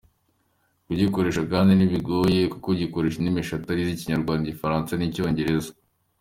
Kugikoresha kandi ntibigoye kuko gikoresha indimi eshatu arizo: Ikinyarwanda, Igifaransa n’ Icyongereza.